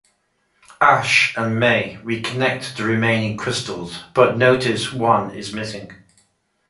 Ash and May reconnect the remaining crystals but notice one is missing.